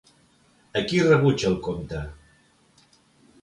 A qui rebutja el comte?